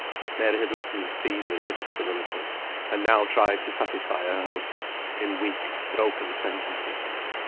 Mary had listened feebly to this soliloquy, and now tried to satisfy her hostess in weak, broken sentences.